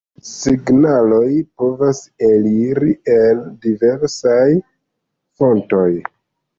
Signaloj povas eliri el diversaj fontoj.